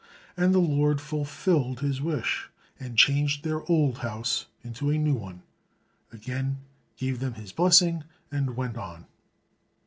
And the Lord fulfilled his wish, and changed their old house into a new one, again gave them his blessing, and went on.